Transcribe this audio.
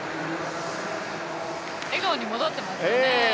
笑顔に戻っていますよね。